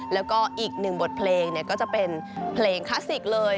แล้วก็อีกหนึ่งบทเพลงก็จะเป็นเพลงคลาสสิกเลย